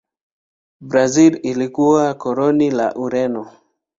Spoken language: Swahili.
Brazil ilikuwa koloni la Ureno.